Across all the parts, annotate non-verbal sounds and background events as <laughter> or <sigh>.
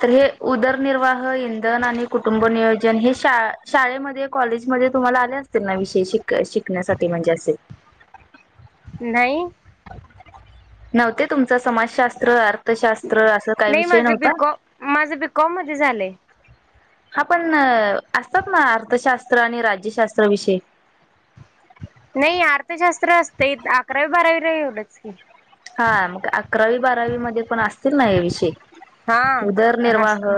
तर हे उदरनिर्वाह इंधन आणि कुटुंब नियोजन हे शा शाळेमध्ये कॉलेज मध्ये तुम्हाला आले असतील ना विषय शिक शिकण्यासाठी म्हणजे असे? नाही. नव्हते तुमचं समाजशास्त्र, अर्थशास्त्र असं. काही नाही विषय माझं नव्हता बिकॉ माझं बिकॉम मध्ये झालंय. हा पण असतात ना अर्थशास्त्र आणि राज्यशास्त्र विषय. नाही अर्थशास्त्र असतय. अकरावी, बारावी राहील एवढच की. हा मग अकरावी, बारावी मध्ये पण असतील ना हे विषय. हा. उदर हसत निर्वाह.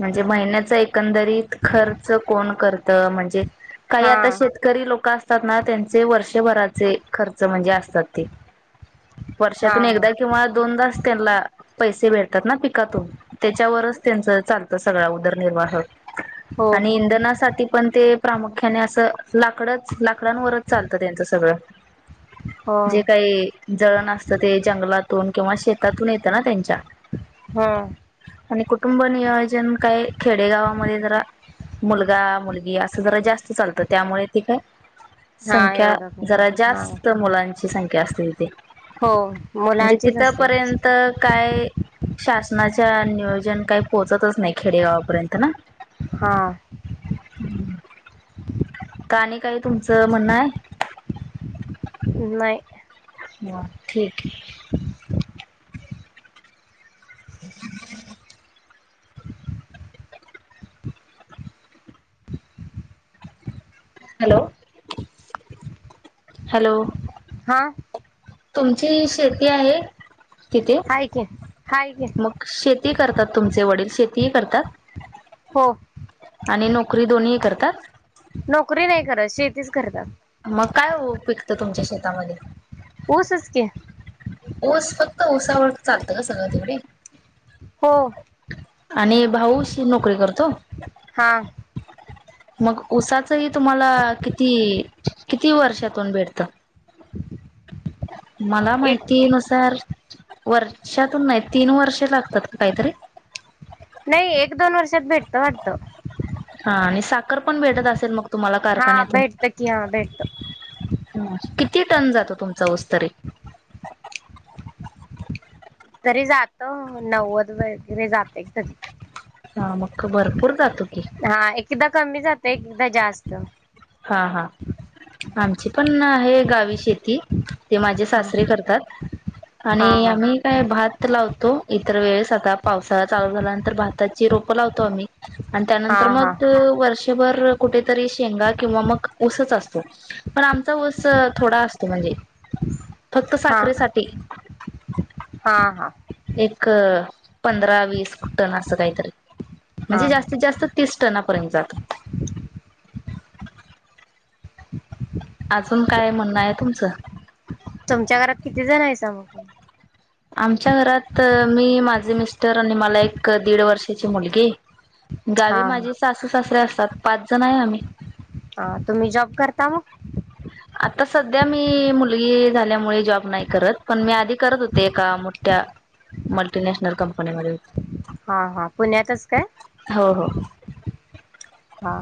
म्हणजे महिन्याचा एकंदरीत खर्च कोण करत म्हणजे. काही हा आता शेतकरी लोक असतात ना त्यांचे वर्षभराचे खर्च म्हणजे असतात ते. हा वर्षातून एकदा किंवा दोनदाच त्यांना पैसे भेटतात ना पिकातून त्याच्यावरच त्यांच चालतं सगळा उदरनिर्वाह हो आणि इंधनासाठी पण ते. प्रामुख्याने असं लाकडच लाकडांवरच चालतं त्यांचं सगळं. हो जे काही. जळण असतं ते जंगलातून किंवा शेतातून येतं ना त्यांच्या. हा. आणि कुटुंब नियोजन काय खेडेगावामध्ये जरा. मुलगा मुलगी असं जरा जास्त चालतं त्यामुळे ती काय हा संख्या एवढं काय जरा हा. जास्त मुलांची संख्या असते तिथे. हो म्हणजे मुलांचीच असतात तिथपर्यंत काय. शासनाच्या नियोजन काही पोहोचतच नाही खेडेगावापर्यंत ना. हा. का आणि काय तुमचं म्हणणं आहे? नाही. ह ठीक. <inaudible> Hello hello. हा. तुमची शेती आहे तिथे. हाय की हाय की. मग शेती करतात तुमचे वडील शेतीही करतात? हो आणि नोकरी दोन्ही करतात? नोकरी नाही करत शेतीच करतात. मग काय ओ पिकतं तुमच्या शेतामध्ये. ऊसच की. ऊस फक्त ऊसावरच चालतं का सगळं तिकडे? हो. आणि भाऊ नोकरी करतो? हां. मग उसाचंही तुम्हाला किती, किती वर्षातून भेटतं? <inaudible> मला एक माहिती नुसार. वर्षातून नाही तीन वर्षे लागतात का काहीतरी? नाही एक, दोन वर्षात भेटतं वाटतं. हा आणि साखर पण भेटत असेल मग तुम्हाला हा कारखान्यातून भेटत की हा भेटत. किती टन जातो तुमचा ऊस तरी तरी जातो नव्वद वगैरे जातय कधीतरी हा मख्ख भरपूर जातो की. हा एकदा कमी जातंय एकदा जास्त. हा हा. आमची पण आहे गावी शेती. ते माझे हा सासरे करतात. हा आणि आम्ही काय भात लावतो इतर वेळेस, आता पावसाळा चालू झाल्यानंतर भाताची रोपं लावतो आम्ही. आण हा त्यानंतर हा हा मग वर्षभर कुठेतरी शेंगात किंवा मग ऊसच असतो, पण आमचा ऊस अ थोडा असतो म्हणजे. फक्त हा साखरेसाठी. हा हा. एक अ.. पंधरा-वीस टन आसं काहीतरी, म्हणजे हा जास्तीत जास्त तीस टनापर्यंत जात आजून काय म्हणणं आहे तुमचं. तुमच्या घरात किती जण हायसा मग. तुम्ही आमच्या घरात मी, माझे मिस्टर आणि मला एक, दीड वर्षाची मुलगी. हा गावी माझे सासू सासरे असतात पाच जण आहे आम्ही. हा. तुम्ही जॉब करता मग. आता सध्या मी.. मुलगी झाल्यामुळे, जॉब नाही करत. पण मी आधी करत होती. ते एका मोठ्ठ्या, मल्टीनॅशनल कंपनीमध्ये हा हा. पुण्यातच काय. हो हो. हा.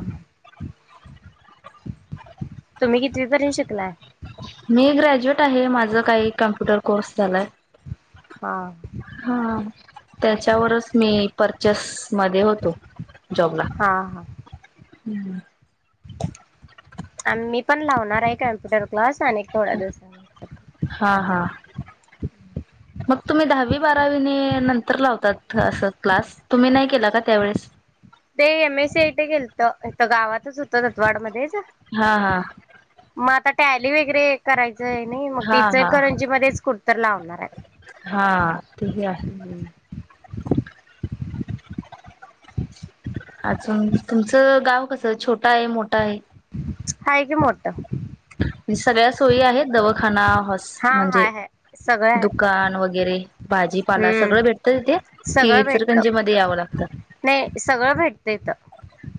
तुम्ही कितवी पर्यंत शिकलाय. मी ग्रॅज्युएट आहे माझं काही कॅम्प्युटर कोर्स झालाय. हा. हा. त्याच्यावरच मी परचेस मध्ये होतो. जाॅबला. हा हा आण मी पण लावणारय कॅम्प्युटर क्लास आणि थोड्या दिवसा हा हा. मग तुम्ही दहावी-बारावी नी, नंतर लावतात असं क्लास तुम्ही नाही केला का त्यावेेळेस ते एम ए सीआयटी केलत इथं गावातच होतं दतवाड मध्येचं. हा हा म आता टॅली वगैरे करायचंय नई, मग ते हा हा हा इचलकरंजी मध्येच कुठं तर लावणारायत. हा. ती घ्या. आजून तुमचं गाव कसं, छोट आहे मोठं आहे. हाय की मोट्ट. म्हजेे सगळ्या सोयी आहेत दवाखाना, हाॅस‌ हा हाय हाय. सगळं आहे दुकान वगैरे, भाजीपाला हम्म. सगळं भेटतं तिथे कि, इचलकरंजी मध्ये यावं लागत. नई सगळं भेटत इथं.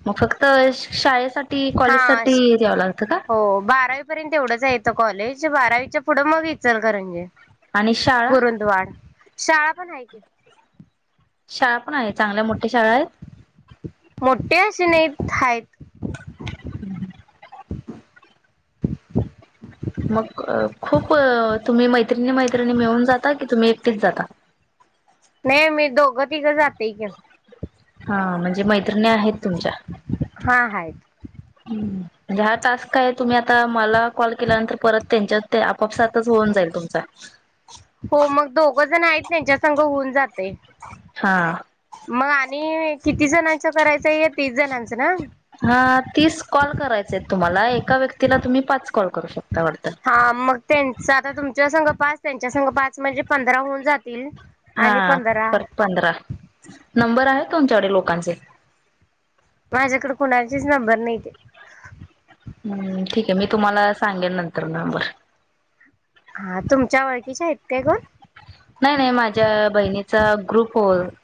मग फक्त शाळेसाठी, हा. कॉलेजसाठी द्यावं लागतं का? हो. बारावी पर्यंत एवढंचय इथं कॉलेज बारावीच्या पुढं मग इचलकरजी. आणि शाळा कुरुंदवाड, शाळा पण आहे की. शाळा पण आहे चांगल्या मोठ्ठ्या शाळा आहेत. मोठे असे नाही आहेत, हम् ह <unintelligible> मग खूप तुम्ही मैत्रिणी मैत्रिणी मिळून जाता की तुम्ही एकटीच जाता नाही मी दोघं तिघं जातयकी हा म्हणजे, मैत्रिणी आहेत तुमच्या- हा, हायत हम्म हा टास्क, काय तुम्ही आता मला कॉल केल्यानंतर परत त्यांच्यात ते आपापसातच होऊन जाईल तुमचा हो मग दोघं जण आहेत, त्यांच्या संघ होऊन जात हा- मग आणि किती जणांचं करायचं तीस जणांचं ना हा तीस कॉल करायचे आहेत, तुम्हाला एका व्यक्तीला तुम्ही पाच कॉल करू शकता वाटतं, हा मग त्यांचा आता तुमच्या संघ पाच, त्यांच्या संघ पाच, म्हणजे पंधरा होऊन जातील हा आणि पंधरा पर पंधरा नंबर आहे तुमच्याकडे लोकांचे, माझ्याकडे कोणाचीच नंबर नाही ते हम्म, ठीक आहे मी तुम्हाला सांगेन नंतर नंबर हा तुमच्याओळखीच्या आहेत काय कोण नाही नाही माझ्या बहिणीचा ग्रुप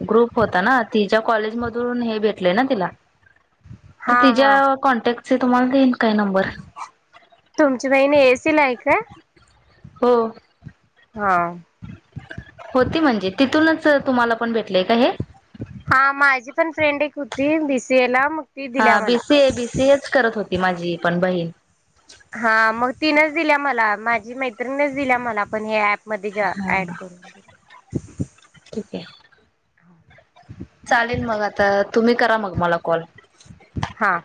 ग्रुप होता ना तिच्या कॉलेज मधून हे भेट ना तिला तर हा तिच्या हा कॉन्टॅक्ट तुम्हाला देन काही नंबर <unintelligible> तुमची बहिणएसीला आहे का हो- हा होती म्हणजे तिथूनच तुम्हाला, पण भेटलेय का हे हा माझी पण फ्रेंड एक होती बी, सी, एला, मग ती हा दिल्या मला बीसी ए, बीसी एच, करत होती माझी पण बहीण. हा मग तिनच दिल्या मला माझी मैत्रिणीणच दिल्या मला पण हे ऍप हा, ठीक आहे, चालेल मला आता तुम्ही करा मग मला कॉल हां